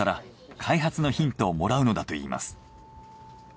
開発のヒントをもらうのだといいます。